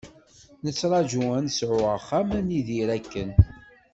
Nettargu ad nesɛu axxam ad nidir akken.